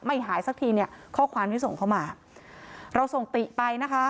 หายสักทีเนี่ยข้อความที่ส่งเข้ามาเราส่งติไปนะคะ